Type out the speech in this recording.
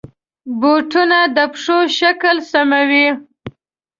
بوټونه د پښو شکل سموي.